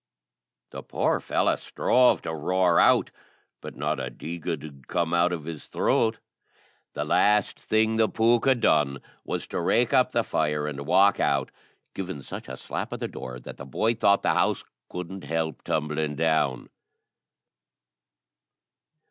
The poor fellow strove to roar out, but not a dheeg 'ud come out of his throat. The last thing the pooka done was to rake up the fire, and walk out, giving such a slap o' the door, that the boy thought the house couldn't help tumbling down.